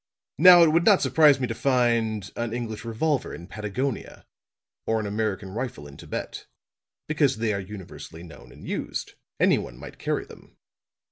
Now, it would not surprise me to find an English revolver in Patagonia, or an American rifle in Thibet, because they are universally known and used. Any one might carry them.